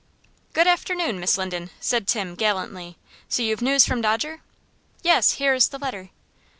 "Good afternoon, Miss Linden," said Tim, gallantly. "So you've news from Dodger?" "Yes; here is the letter."